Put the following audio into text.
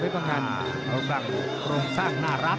ประสานนารัก